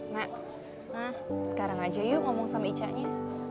nah sekarang aja yuk ngomong sama ica nya